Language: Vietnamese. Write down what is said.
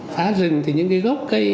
phá rừng thì những cái gốc cây